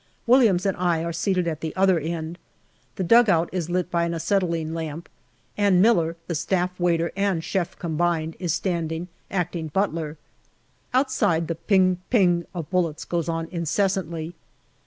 Williams and I are seated at the other end. The dugout is lit by an acetylene lamp, and Miller, the Staff waiter and chef combined, is standing, acting butler. Outside the "ping ping" of bullets goes on incessantly.